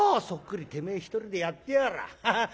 「そっくりてめえ一人でやってやがらあ。